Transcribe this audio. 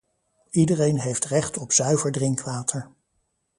Iedereen heeft recht op zuiver drinkwater.